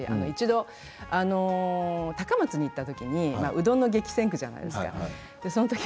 一度、高松に行ったときにうどんの激戦区じゃないですか。